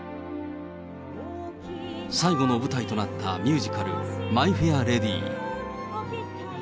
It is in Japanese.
最後の舞台となったミュージカル、マイ・フェア・レディ。